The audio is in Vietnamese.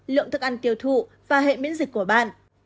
lượng thực ăn tiêu thụ và hệ biến dịch của bạn